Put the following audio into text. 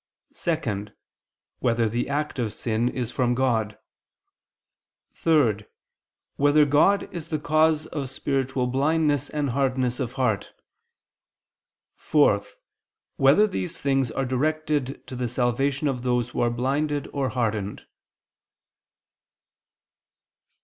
(2) Whether the act of sin is from God? (3) Whether God is the cause of spiritual blindness and hardness of heart? (4) Whether these things are directed to the salvation of those who are blinded or hardened?